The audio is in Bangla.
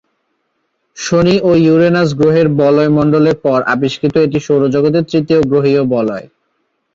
শনি ও ইউরেনাস গ্রহের বলয় মণ্ডলের পর আবিষ্কৃত এটি সৌর জগতের তৃতীয় গ্রহীয় বলয়।